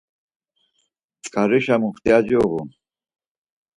Tzǩarişa muxtiyaci uğun.